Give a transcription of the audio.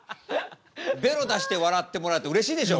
ベロ出して笑ってもらうってうれしいでしょ？